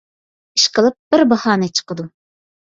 ئىشقىلىپ، بىر باھانە چىقىدۇ.